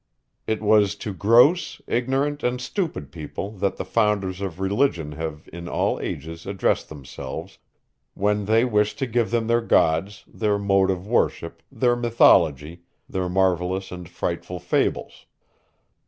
It was to gross, ignorant, and stupid people, that the founders of religion have in all ages addressed themselves, when they wished to give them their Gods, their mode of worship, their mythology, their marvellous and frightful fables.